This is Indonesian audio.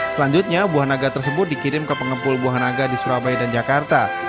selanjutnya buah naga tersebut dikirim ke pengepul buah naga di surabaya dan jakarta